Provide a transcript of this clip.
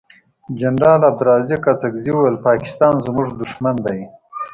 جنرال عبدلرازق اڅګزی وویل پاکستان زمونږ دوښمن دی.